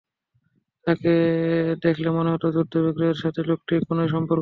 তাকে দেখলে মনে হত, যুদ্ধ-বিগ্রহের সাথে লোকটির কোনই সম্পর্ক নেই।